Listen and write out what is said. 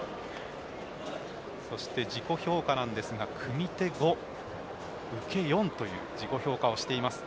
自己評価なんですが、組み手５受け４という自己評価をしています。